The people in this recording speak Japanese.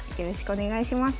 お願いします。